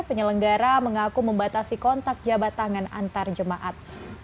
penyelenggara mengaku membatasi kontak jabat tangan antar jemaat